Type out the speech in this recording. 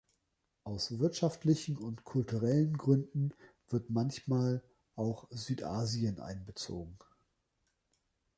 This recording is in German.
Aus wirtschaftlichen und kulturellen Gründen wird manchmal auch Südasien einbezogen.